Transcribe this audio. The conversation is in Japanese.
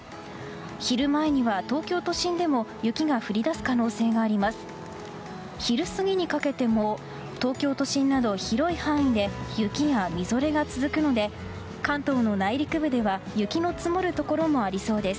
昼前には東京都心でも雪が降りだす可能性があります。